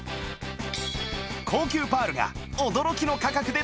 高級パールが驚きの価格で手に入る